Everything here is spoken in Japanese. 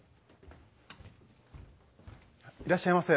いらっしゃいませ。